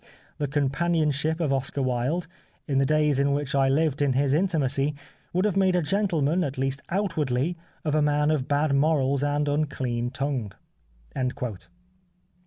The companionship of Oscar Wilde, in the days in which I lived in his intimacy, would have made a gentleman, at least outwardly, of a man of bad morals and unclean tongue."